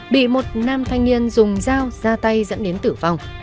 bị một nam thanh niên dùng dao ra tay dẫn đến tử vong